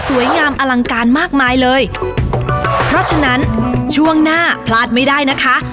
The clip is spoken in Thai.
งามอลังการมากมายเลยเพราะฉะนั้นช่วงหน้าพลาดไม่ได้นะคะ